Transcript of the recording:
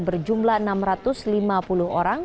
berjumlah enam ratus lima puluh orang